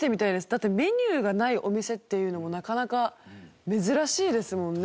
だってメニューがないお店っていうのもなかなか珍しいですもんね。